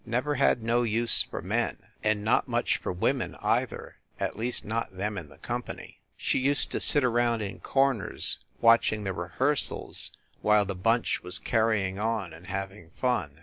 Never had no use for men and not much for women, either, at least not them in the company. She used to sit around in corners watching the rehearsals while the bunch was carrying on and having fun.